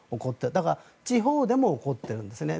だから地方でも起こっているんですね。